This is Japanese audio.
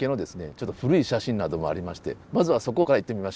ちょっと古い写真などもありましてまずはそこから行ってみましょう。